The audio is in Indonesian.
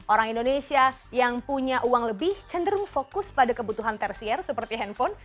orang indonesia yang punya uang lebih cenderung fokus pada kebutuhan tersier seperti handphone